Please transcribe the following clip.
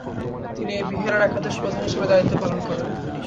তিনি এই বিহারের একাদশ প্রধান হিসেবে দায়িত্ব লাভ করেন।